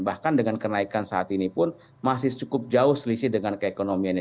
bahkan dengan kenaikan saat ini pun masih cukup jauh selisih dengan keekonomiannya